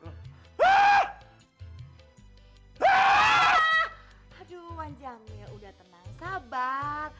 aduh wan jamil udah tenang sabar